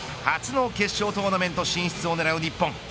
初の決勝トーナメント進出を狙う日本。